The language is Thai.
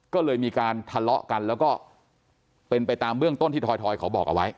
ก็เลยมีการทะเลาะกันแล้วก็เป็นไปตามเบื้องต้นที่ทอยเขาบอกเอาไว้